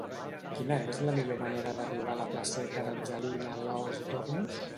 Quina és la millor manera d'arribar a la placeta d'Angelina Alòs i Tormos?